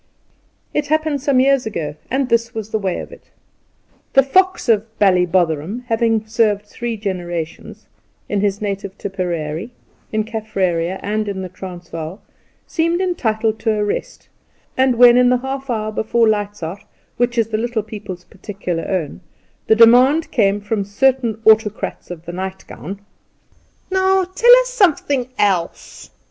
It happened some years ago, and this was the way of it: the Fox of Ballybotherem having served three generations in his native Tipperary, in Kaffraria, and in the Transvaal seemed entitled to a rest; and when, in the half hour before 'lights out,' which is the Little People's particular own, the demand came from certain Autocrats of the Nightgown: "Now, tell us something else!"